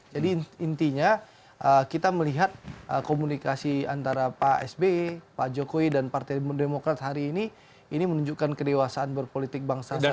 jadi intinya kita melihat komunikasi antara pak sbi pak jokowi dan partai demokrat hari ini ini menunjukkan kedewasaan berpolitik bangsa saat ini